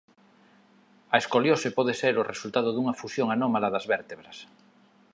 A escoliose pode ser o resultado dunha fusión anómala das vértebras.